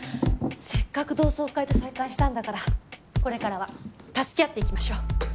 せっかく同窓会で再会したんだからこれからは助け合っていきましょう。